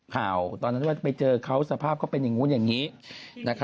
ข่าวตอนนั้นว่าไปเจอเขาสภาพก็เป็นอย่างนู้นอย่างนี้นะครับ